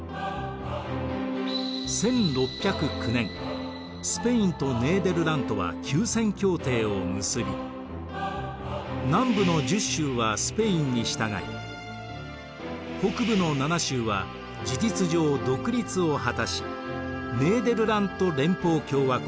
１６０９年スペインとネーデルラントは休戦協定を結び南部の１０州はスペインに従い北部の７州は事実上独立を果たしネーデルラント連邦共和国